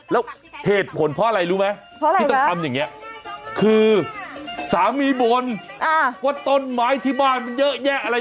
แล้วเหตุผลเพราะอะไรรู้ไหมที่ต้องทำอย่างนี้คือสามีบ่นว่าต้นไม้ที่บ้านมันเยอะแยะอะไร